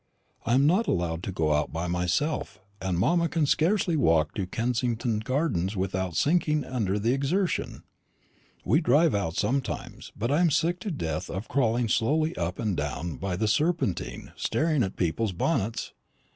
I am not allowed to go out by myself, and mamma can scarcely walk to Kensington gardens without sinking under the exertion. We drive out sometimes; but I am sick to death of crawling slowly up and down by the Serpentine staring at people's bonnets.